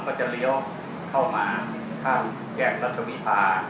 ก็จะเลี้ยวเข้ามาข้ามแยกรัชวิภา